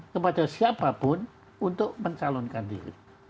kepada siapapun untuk mencalonkan diri